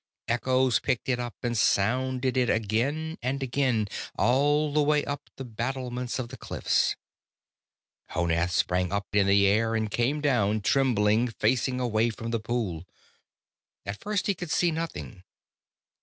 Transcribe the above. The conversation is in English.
Echoes picked it up and sounded it again and again, all the way up the battlements of the cliffs. Honath sprang straight up in the air and came down trembling, facing away from the pool. At first he could see nothing.